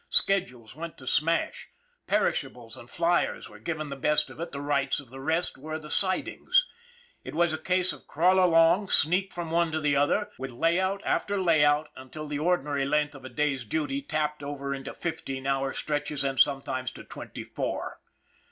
Schedules went to smash. Perishables and flyers were given the best of it the rights of the rest were the sidings. It was a case of crawl along, sneak from one to the other, with layout after layout, until the ordinary length of a day's duty lapped over into fifteen hour stretches and some times to twenty four.